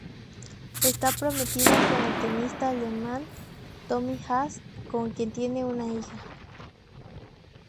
Está prometida con el tenista alemán Tommy Haas, con quien tiene una hija.